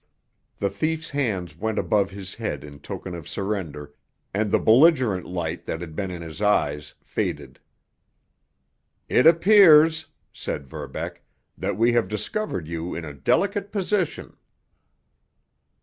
The thief's hands went above his head in token of surrender, and the belligerent light that had been in his eyes faded. "It appears," said Verbeck, "that we have discovered you in a delicate position."